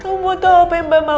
kamu buat apa yang mbak mau